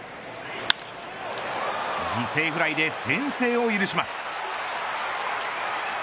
犠牲フライで先制を許します。